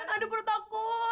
aduh perut aku